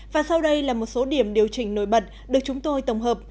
và sau đây là một số điểm điều chỉnh nổi bật được chúng tôi tổng hợp